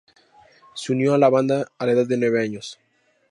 Se unió a la banda a la edad de nueve años.